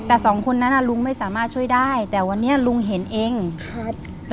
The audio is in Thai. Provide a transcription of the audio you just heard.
แต่สองคนนั้นอ่ะลุงไม่สามารถช่วยได้แต่วันนี้ลุงเห็นเองครับ